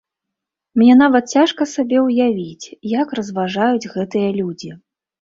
Мне нават цяжка сабе ўявіць, як разважаюць гэтыя людзі.